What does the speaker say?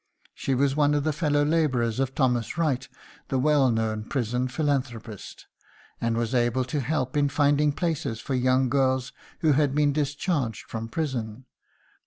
She was one of the fellow labourers of Thomas Wright, the well known prison philanthropist, and was able to help in finding places for young girls who had been discharged from prison.